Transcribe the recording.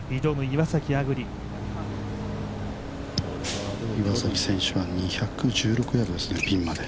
岩崎選手は２１６ヤードですねピンまで。